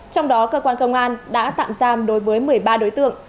trong đó cơ quan công an đã tạm giam đối với một mươi ba đối tượng